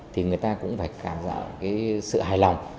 thì người ta cũng phải cảm rõ cái sự hài lòng